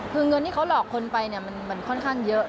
คือเงินที่เขาหลอกคนไปเนี่ยมันค่อนข้างเยอะ